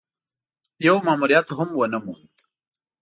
يو ماموريت هم ونه موند.